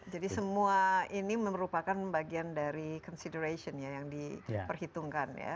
jadi semua ini merupakan bagian dari consideration nya yang diperhitungkan ya